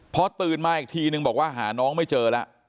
พอตื่นมาอีกทีนึงบอกว่าหาน้องไม่เจอแล้ว